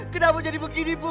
kenapa jadi begini bu